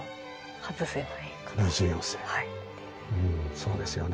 そうですよね。